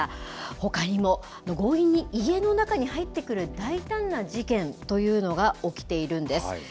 ほかにも強引に家の中に入ってくる大胆な事件というのが起きているんです。